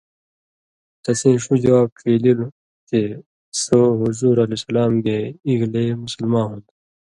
تسیں ݜُو جواب ڇیلِلوۡ چےۡ سو حضورؐ گے اېگلے مسلما ہُوۡن٘دُوۡ۔